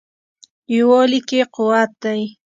یووالي کې قوت دی.